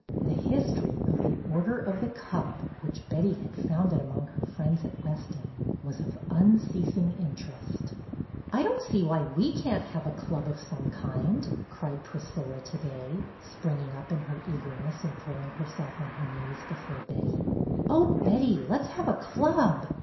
The history of The Order of The Cup, which Betty had founded among her friends at Weston, was of unceas ing interest. "I don't see why we can't have a club of some kind," cried Priscilla to day, springing up in her eagerness and throwing herself on her knees before Betty. "Oh, Betty, let's have a club!